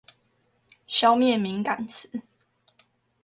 消滅敏感詞